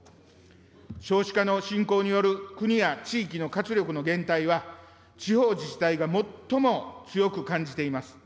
少子化の進行による国や地域の活力の減退は地方自治体が最も強く感じています。